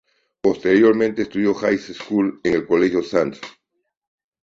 Posteriormente estudió high school en el colegio "St.